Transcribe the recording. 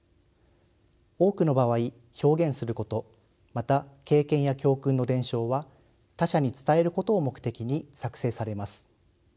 多くの場合表現することまた経験や教訓の伝承は他者に伝えることを目的に作成されます。